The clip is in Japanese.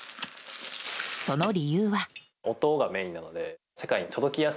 その理由は。